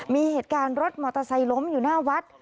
มีเหตุการณ์รถมอเตอร์ไซค์ล้มอยู่หน้าวัด